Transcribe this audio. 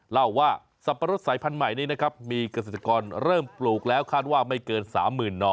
เล่าว่าสับปะรดสายพันธุ์ใหม่นี้นะครับมีเกษตรกรเริ่มปลูกแล้วคาดว่าไม่เกิน๓๐๐๐หน่อ